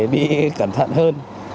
đi cẩn thận hơn